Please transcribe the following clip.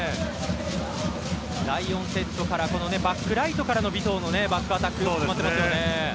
第４セットからバックライトからの尾藤のバックアタック決まってますね。